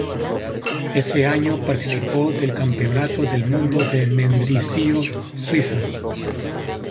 Ese año participó del Campeonato del Mundo de Mendrisio, Suiza.